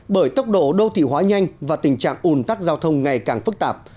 bởi tốc độ đô thị hóa nhanh và tình trạng ùn tắc giao thông ngày càng phức tạp